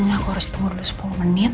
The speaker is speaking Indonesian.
ngaku harus tunggu dulu sepuluh menit